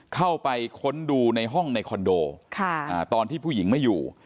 ค้นดูในห้องในคอนโดตอนที่ผู้หญิงไม่อยู่